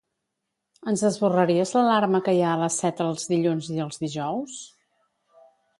Ens esborraries l'alarma que hi ha a les set els dilluns i els dijous?